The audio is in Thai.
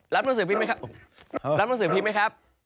รับร่วมสื่อพิษไหมครับ